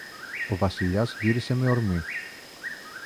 Ο Βασιλιάς γύρισε με ορμή.